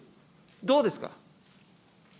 どうですか。